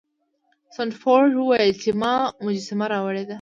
سنډفورډ وویل چې ما مجسمه راوړې ده.